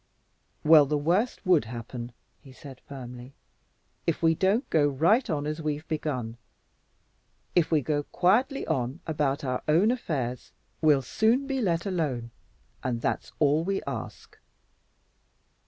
"Well, the worst would happen," he said firmly, "if we don't go right on as we've begun. If we go quietly on about our own affairs, we'll soon be let alone and that's all we ask."